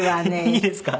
いいですか？